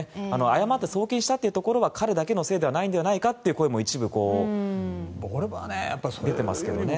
誤って送金したというところは彼だけのせいではないんじゃないかという声も一部出ていますけどね。